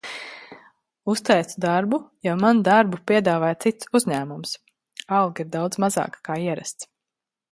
Uzteicu darbu, jo man darbu piedāvāja cits uzņēmums. Alga ir daudz mazāka kā ierasts.